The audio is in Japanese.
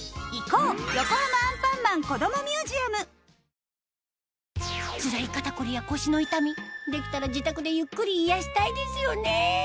本当に名作なんで皆さん、つらい肩こりや腰の痛みできたら自宅でゆっくり癒やしたいですよね